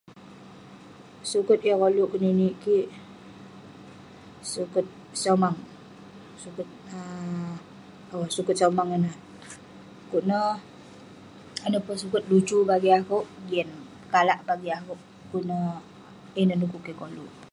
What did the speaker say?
Suket yah koluk keninik kik, suket Somang. Suket um, owk suket Somang ineh. Kuk neh, ineh peh suket lucu bagik akouk, yan pekalak bagik akouk. Kuk neh, ineh dekuk kik koluk.